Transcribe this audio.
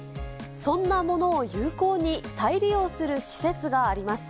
そんなものを有効に再利用する施設があります。